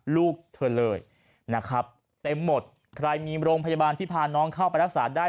ลูกเธอเลยใครมีโรงพยาบาลที่พาน้องเข้าไปรักษาได้